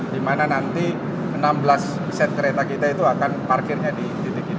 dimana nanti enam belas set kereta kita itu akan parkirnya di titik itu